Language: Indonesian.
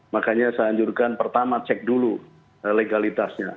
makanya saya anjurkan pertama cek dulu legalitasnya